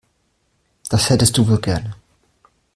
Das hättest du wohl gerne.